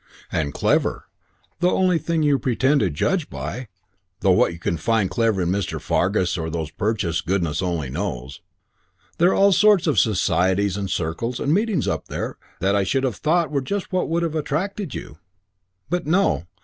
And clever the only thing you pretend to judge by; though what you can find clever in Mr. Fargus or those Perches goodness only knows. There're all sorts of Societies and Circles and Meetings up there that I should have thought were just what would have attracted you. But, no.